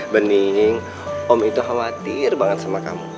bening om itu khawatir banget sama kamu